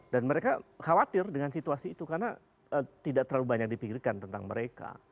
dan mereka khawatir dengan situasi itu karena tidak terlalu banyak dipikirkan tentang mereka